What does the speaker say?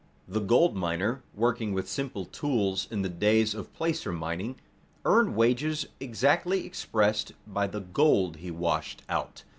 The gold miner, working with simple tools in the days of placer mining, earned wages exactly expressed by the gold he washed out.